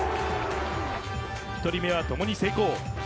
１人目はともに成功。